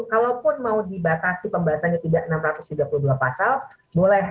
kalaupun mau dibatasi pembahasannya tidak enam ratus tiga puluh dua pasal boleh